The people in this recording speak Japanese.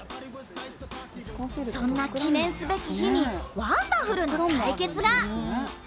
そんな記念すべき日に、ワンダフルな対決が。